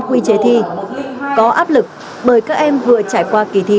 quy chế thi có áp lực bởi các em vừa trải qua kỳ thi